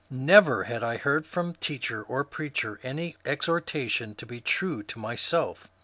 Never had I heard from teacher or preacher any exhor tation to be true to myself.